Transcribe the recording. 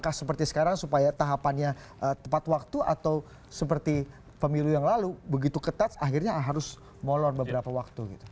apakah seperti sekarang supaya tahapannya tepat waktu atau seperti pemilu yang lalu begitu ketat akhirnya harus molor beberapa waktu gitu